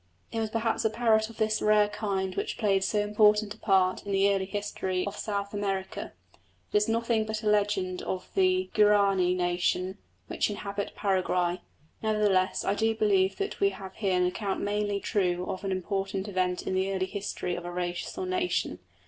It was perhaps a parrot of this rare kind which played so important a part in the early history of South America. It is nothing but a legend of the Guarani nation, which inhabit Paraguay, nevertheless I do believe that we have here an account mainly true of an important event in the early history of the race or nation.